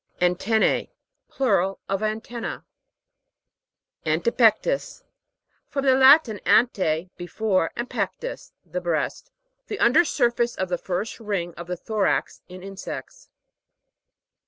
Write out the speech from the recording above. ANTEN'NA. Plural of antenna. ANTEPEC'TUS. From the Latin, ante, before, and pcctus, the breast. The under surface of the first ring of the thorax in insects.